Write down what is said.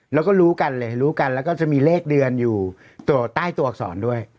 แล้วก็รู้กันเลยรู้กันแล้วก็จะมีเลขเดือนอยู่ตัวใต้ตัวอักษรด้วย